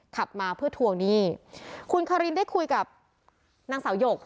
ขับมาเพื่อทวงหนี้คุณคารินได้คุยกับนางสาวหยก